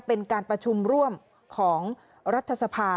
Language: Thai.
เป็นการประชุมร่วมของรัฐสภา